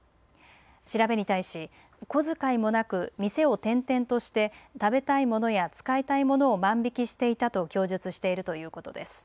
調べに対し、小遣いもなく店を転々として食べたいものや使いたいものを万引きしていたと供述しているということです。